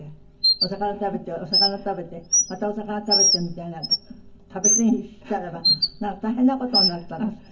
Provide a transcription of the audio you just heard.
お魚食べてお魚食べてまたお魚食べてみたいな食べすぎしたらばなんか大変な事になったんですって？